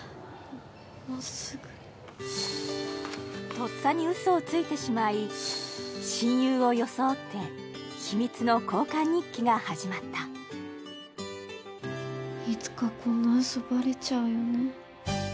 もうすぐとっさにウソをついてしまい親友を装ってヒミツの交換日記が始まったいつかこんなウソバレちゃうよね